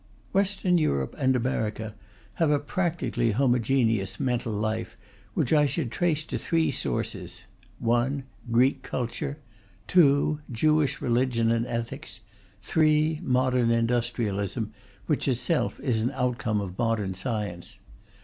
Western Europe and America have a practically homogeneous mental life, which I should trace to three sources: (1) Greek culture; (2) Jewish religion and ethics; (3) modern industrialism, which itself is an outcome of modern science.